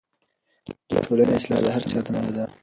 د ټولنې اصلاح د هر چا دنده ده.